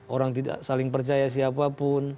orang tidak saling percaya siapapun